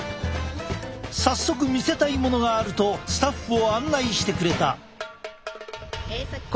早速見せたいものがあるとスタッフを案内してくれた。